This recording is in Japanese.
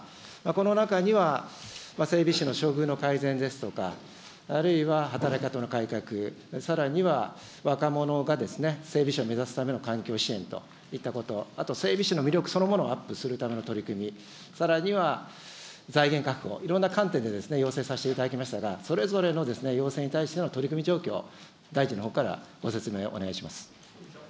この中には整備士の処遇の改善ですとか、あるいは働き方の改革、さらには若者が整備士を目指すための環境支援といったこと、あと、整備士の魅力そのものをアップするための取り組み、さらには財源確保、いろんな観点で要請させていただきましたが、それぞれの要請に対しての取り組み状況、大臣のほうからご説明をお願いします。